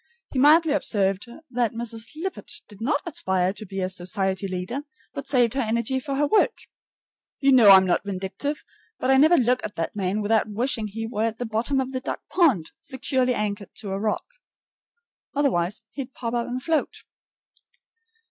He mildly observed that Mrs. Lippett did not aspire to be a society leader, but saved her energy for her work. You know I'm not vindictive, but I never look at that man without wishing he were at the bottom of the duck pond, securely anchored to a rock. Otherwise he'd pop up and float.